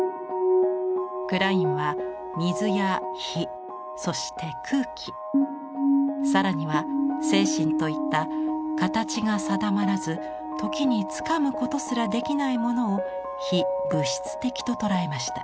クラインは水や火そして空気更には精神といった形が定まらず時につかむことすらできないものを非物質的と捉えました。